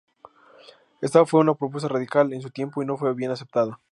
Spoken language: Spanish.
Ésta fue una propuesta radical en su tiempo, y no fue bien aceptada.